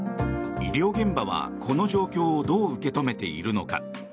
医療現場はこの状況をどう受け止めているのか。